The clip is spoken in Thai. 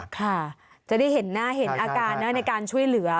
ค่ะจะได้เห็นหน้าเห็นอาการนะในการช่วยเหลือ